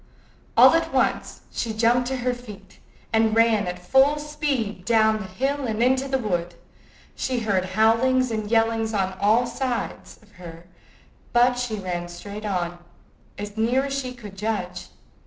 All at once she jumped to her feet, and ran at full speed down the hill and into the wood. She heard howlings and yellings on all sides of her, but she ran straight on, as near as she could judge.